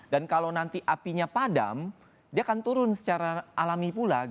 dan kalau nanti apinya padam dia akan turun secara alami pula